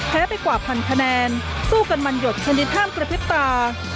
ไปกว่าพันคะแนนสู้กันมันหยดชนิดห้ามกระพริบตา